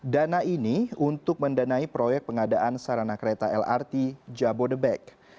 dana ini untuk mendanai proyek pengadaan sarana kereta lrt jabodebek